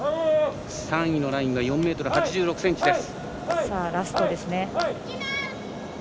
３位のラインが４ｍ８６ｃｍです。